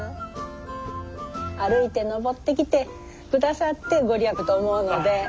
歩いて登ってきてくださってご利益と思うので。